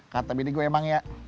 kata biniku emang ya